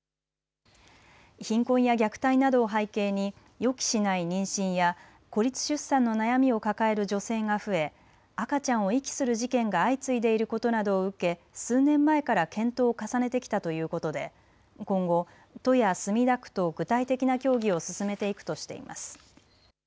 貧困や虐待などを背景に予期しない妊娠や孤立出産の悩みを抱える女性が増え赤ちゃんを遺棄する事件が相次いでいることなどを受け数年前から検討を重ねてきたということで今後、都や墨田区と具体的な協議を進めていくとしています。